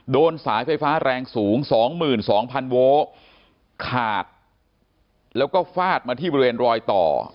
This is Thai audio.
โดนสายไฟฟ้าแรงสูง๒๒๐๐โวลขาดแล้วก็ฟาดมาที่บริเวณรอยต่อ